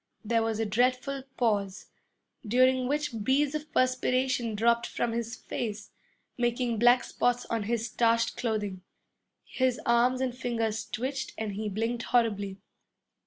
There was a dreadful pause, during which beads of perspiration dropped from his face, making black spots on his starched clothing. His arm and fingers twitched and he blinked horribly.